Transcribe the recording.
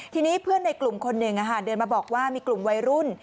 ทีนี้เพื่อนในกลุ่มคนหนึ่งเดินมาบอกว่ามีกลุ่มวัยรุ่น